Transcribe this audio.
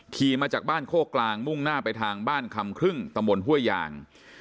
ขี่มาจากบ้านโคกกลางมุ่งหน้าไปทางบ้านคำครึ่งตำบลห้วยยาง